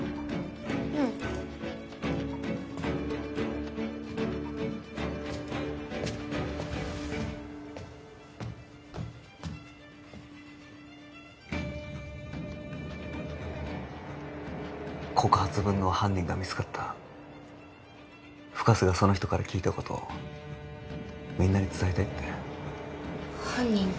うん告発文の犯人が見つかった深瀬がその人から聞いたことみんなに伝えたいって犯人